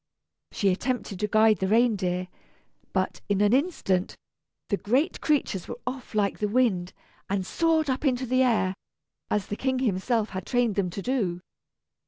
She attempted to guide the reindeer, but, in an instant, the great creatures were off like the wind, and soared up into the air, as the King himself had trained them to do.